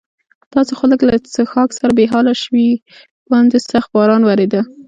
تاسې خو له لږ څښاک سره بې حاله شوي، باندې سخت باران ورېده.